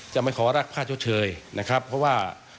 จะไม่ขอรักค่าชดเชยนะครับเพราะว่า